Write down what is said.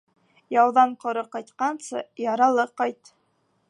Яуҙан ҡоро ҡайтҡансы, яралы ҡайт.